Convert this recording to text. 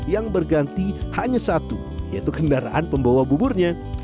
yang berganti hanya satu yaitu kendaraan pembawa buburnya